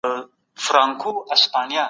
وزیر اکبر خان د خپل ټاټوبي دفاع وکړه.